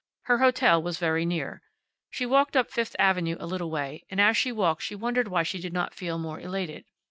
Her hotel was very near. She walked up Fifth avenue a little way, and as she walked she wondered why she did not feel more elated.